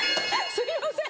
すいません！